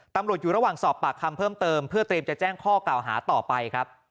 ตำรวจอยู่ระหว่างสอบปากคำเพิ่มเติมเพื่อเตรียมจะแจ้งข้อกล่าวหาต่อไปครับ